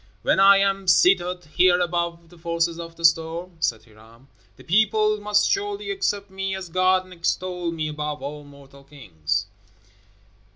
"When I am seated here above the forces of the storm," said Hiram, "the people must surely accept me as God and extol me above all mortal kings."